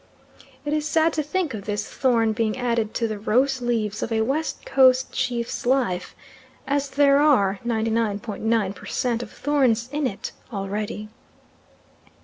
It is sad to think of this thorn being added to the rose leaves of a West Coast chief's life, as there are 99.9 per cent. of thorns in it already.